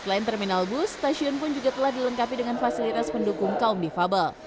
selain terminal bus stasiun pun juga telah dilengkapi dengan fasilitas pendukung kaum difabel